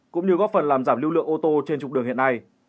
cũng như góp phần làm giảm lưu lượng ô tô trên trục đường hiện nay